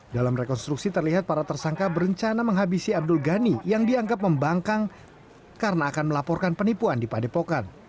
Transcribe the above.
dalam rekonstruksi terlihat para tersangka berencana menghabisi abdul ghani yang dianggap membangkang karena akan melaporkan penipuan di padepokan